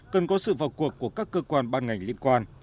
cần có sự vào cuộc của các cơ quan ban ngành liên quan